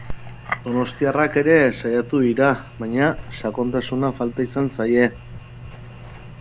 Donostiarrak ere saiatu dira, baina sakontasuna falta izan zaie.